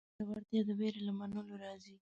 زړورتیا د وېرې له منلو راځي.